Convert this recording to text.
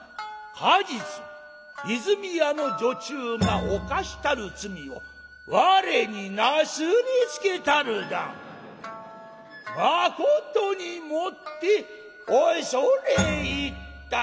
「過日和泉屋の女中が犯したる罪を我になすりつけたる段まことにもって恐れ入ったり」。